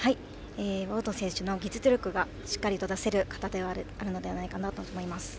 大野選手の技術力がしっかりと出せる形ではないかなと思います。